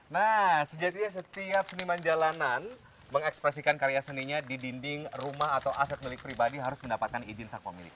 nah sejatinya setiap seniman jalanan mengekspresikan karya seninya di dinding rumah atau aset milik pribadi harus mendapatkan izin sang pemilik